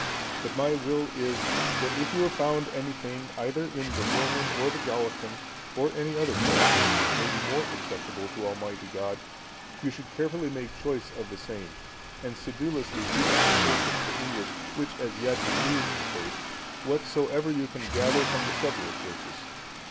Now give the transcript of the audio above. But my will is, that if you have found anything, either in the Roman, or the Gallican, or any other Church, which may be more acceptable to Almighty God, you should carefully make choice of the same, and sedulously teach the Church of the English, which as yet is new in the faith, whatsoever you can gather from the several Churches.